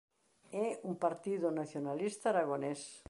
É un partido nacionalista aragonés.